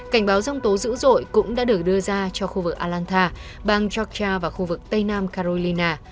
cảnh báo rông tố dữ dội cũng đã được đưa ra cho khu vực alanta bang georgia và khu vực tây nam carolina